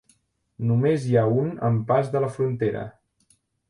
Només hi ha un en pas de la frontera.